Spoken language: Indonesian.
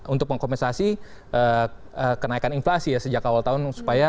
untuk mengkompensasi kenaikan inflasi ya sejak awal tahun